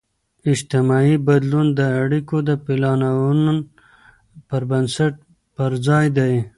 اجتماعي بدلون د اړیکو د پلانون پر بنسټ پرځای دی.